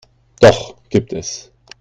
Doch gibt es.